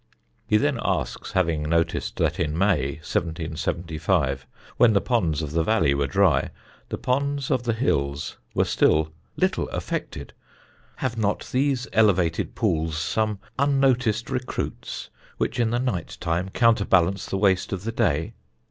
He then asks, having noticed that in May, 1775, when the ponds of the valley were dry, the ponds of the hills were still "little affected," "have not these elevated pools some unnoticed recruits, which in the night time counterbalance the waste of the day?"